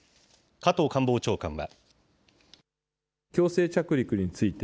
加藤官房長官は。